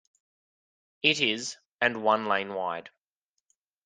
It is and one lane wide.